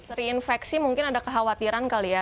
dari infeksi mungkin ada kekhawatiran kali ya